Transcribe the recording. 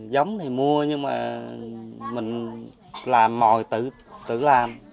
giống thì mua nhưng mà mình làm mòi tự làm